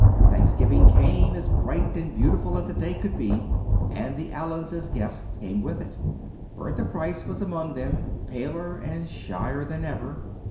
Thanksgiving came, as bright and beautiful as a day could be, and the Allens' guests came with it. Bertha Price was among them, paler and shyer than ever.